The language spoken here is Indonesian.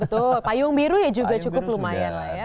betul payung biru ya juga cukup lumayan lah ya